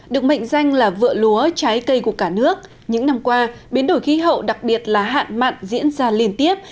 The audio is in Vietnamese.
được mệnh danh là vựa lúa trái cây của cả nước những năm qua biến đổi khí hậu đặc biệt là hạn mặn diễn ra liên tiếp